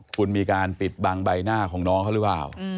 คุณมีการปิดบังใบหน้าของน้องเขาหรือเปล่า